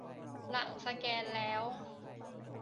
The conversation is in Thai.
หลังสแกนแล้ว